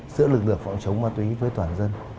giữa lực lượng phòng chống ma túy với toàn dân